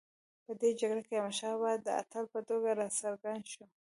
په دې جګړه کې احمدشاه بابا د اتل په توګه راڅرګند شو.